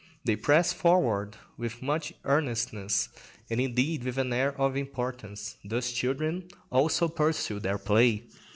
They press forward with much earnestness, and indeed with an air of importance; thus children also pursue their play.